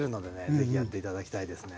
ぜひやって頂きたいですね。